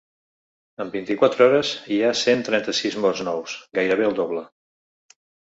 En vint-i-quatre hores hi ha cent trenta-sis morts nous, gairebé el doble.